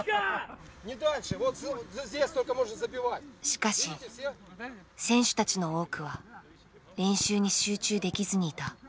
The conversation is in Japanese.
しかし選手たちの多くは練習に集中できずにいた。